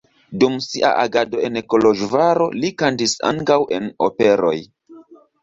Dum sia agado en Koloĵvaro li kantis ankaŭ en operoj.